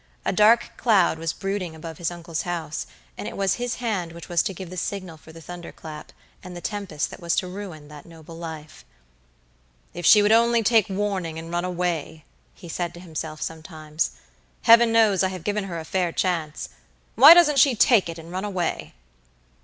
A dark cloud was brooding above his uncle's house, and it was his hand which was to give the signal for the thunder clap, and the tempest that was to ruin that noble life. "If she would only take warning and run away," he said to himself sometimes. "Heaven knows, I have given her a fair chance. Why doesn't she take it and run away?"